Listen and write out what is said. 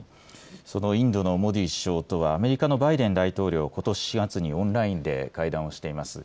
そのインドのモディ首相とは、アメリカのバイデン大統領、ことし４月にオンラインで会談をしています。